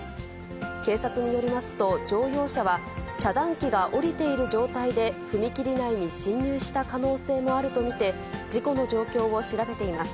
警察によりますと、乗用車は遮断機が下りている状態で、踏切内に進入した可能性もあると見て、事故の状況を調べています。